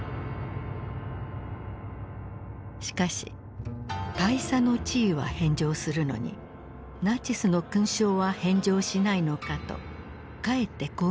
しかし大佐の地位は返上するのにナチスの勲章は返上しないのかとかえって攻撃が激化した。